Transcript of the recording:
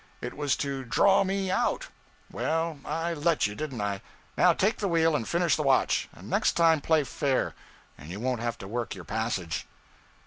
It was to draw me out. Well, I let you, didn't I? Now take the wheel and finish the watch; and next time play fair, and you won't have to work your passage.'